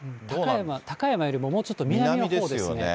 高山よりももうちょっと南のほうですね。